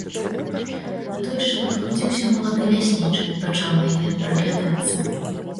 А то яшчэ падкруціўся малады ляснічы і пачаў на яе прыглядацца.